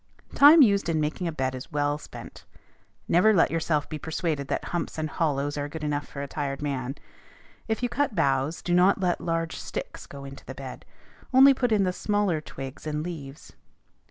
Time used in making a bed is well spent. Never let yourself be persuaded that humps and hollows are good enough for a tired man. If you cut boughs, do not let large sticks go into the bed: only put in the smaller twigs and leaves.